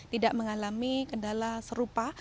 tidak mengalami kendala serupa